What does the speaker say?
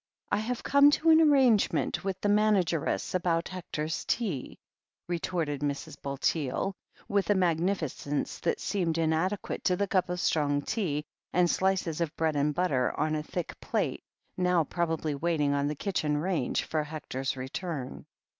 "I have come to an arrangement with the manageress about Hector's tea," retorted Mrs. Bulteel, with a mag nificence that seemed inadequate to the cup of strong tea, and slices of bread and butter on a thick plate now probably waiting on the kitchen range for Hector's return.